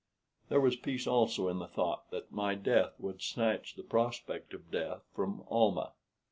There was peace also in the thought that my death would snatch the prospect of death from Almah.